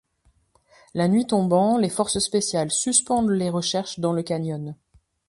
La nuit tombant, les forces spéciales suspendent les recherches dans le canyon.